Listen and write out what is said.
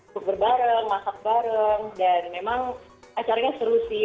di berbareng masak bareng dan memang acaranya seru sih